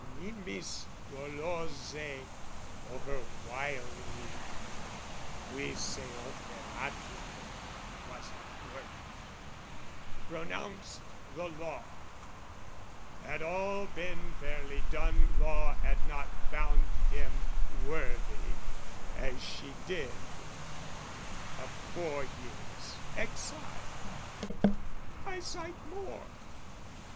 Nimis dolose, overwilily, Fuisse operatum, was it worked, Pronounced the law: had all been fairly done Law had not found him worthy, as she did, Of four years' exile. Why cite more?